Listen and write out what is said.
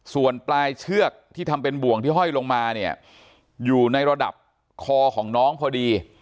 ส่วนปลายเชือกที่ทำเป็นบ่วงที่ห้อยลงมาเนี่ยอยู่ในระดับคอของน้องพอดี